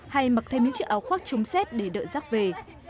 hay mặc thêm những chiếc áo khoác chống xét để đợi giác về